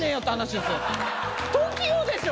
ＴＯＫＩＯでしょ